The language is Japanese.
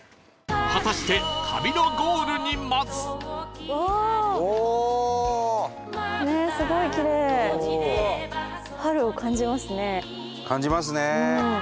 果たして旅の感じますね。